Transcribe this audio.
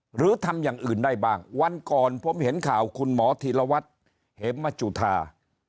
หรือทำอย่างอื่นได้บ้างวันก่อนผมเห็นข่าวคุณหมอธีรวัตรเหมจุธา